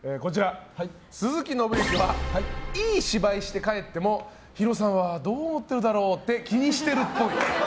鈴木伸之はいい芝居して帰ってもＨＩＲＯさんはどう思ってるだろう？って気にしてるっぽい。